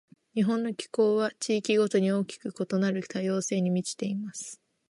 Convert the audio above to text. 日本の気候は、地域ごとに大きく異なる多様性に満ちています。